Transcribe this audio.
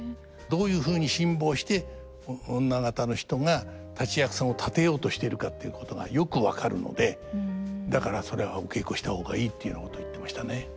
どういうふうに辛抱して女方の人が立役さんを立てようとしているかっていうことがよく分かるのでだからそれはお稽古した方がいいっていうようなこと言ってましたね。